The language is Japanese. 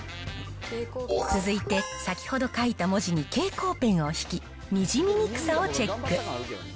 続いて、先ほど書いた文字に蛍光ペンを引き、にじみにくさをチェック。